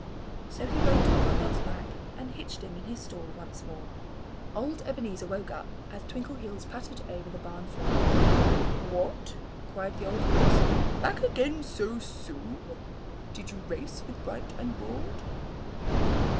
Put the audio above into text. So he rode Twinkleheels back and hitched him in his stall once more. Old Ebenezer woke up as Twinkleheels pattered over the barn floor. "What!" cried the old horse. "Back again so soon? Did you race with Bright and Broad?"